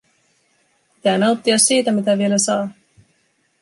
Pitää nauttia siitä, mitä vielä saa.